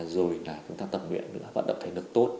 rồi là chúng ta tập nguyện nữa vận động thể lực tốt